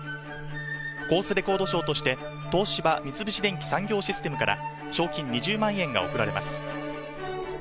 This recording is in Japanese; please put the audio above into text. コースレコード賞として東芝三菱電機産業システムから賞金２０万円が贈られます。